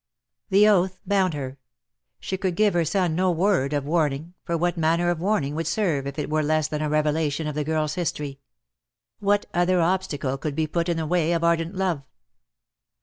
The oath bound her. She could give her son no word of warning, for what manner of warning would serve if it were less than a revelation of the girl's history? What other obstacle could be put in the way of ardent love?